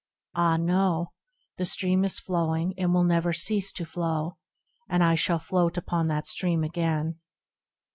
Ah no, the stream Is flowing, and will never cease to flow, And I shall float upon that stream again.